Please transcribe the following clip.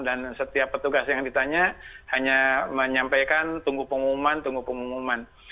dan setiap petugas yang ditanya hanya menyampaikan tunggu pengumuman tunggu pengumuman